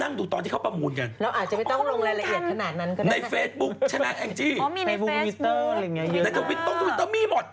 ลองดูสิฉันเมื่อกี้ฉันด้านนี้รู้สึกเปิด